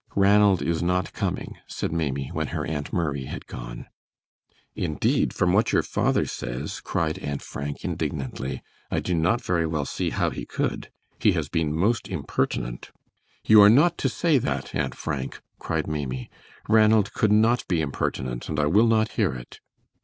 "Ranald is not coming," said Maimie, when her Aunt Murray had gone. "Indeed, from what your father says," cried Aunt Frank, indignantly, "I do not very well see how he could. He has been most impertinent." "You are not to say that, Aunt Frank," cried Maimie. "Ranald could not be impertinent, and I will not hear it."